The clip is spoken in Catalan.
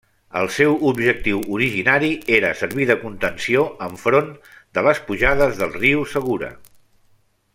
El seu objectiu originari era servir de contenció enfront de les pujades del riu Segura.